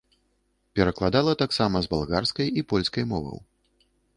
Перакладала таксама з балгарскай і польскай моваў.